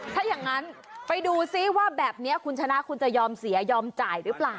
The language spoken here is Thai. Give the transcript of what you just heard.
ถ้าอย่างนั้นไปดูซิว่าแบบนี้คุณชนะคุณจะยอมเสียยอมจ่ายหรือเปล่า